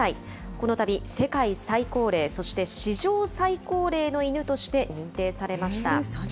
このたび世界最高齢、そして史上最高齢の犬として認定されました。